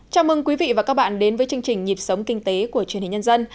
chào mừng quý vị và các bạn đến với chương trình nhịp sống kinh tế của truyền hình nhân dân